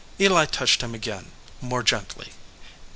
Eli touched him again, more gently.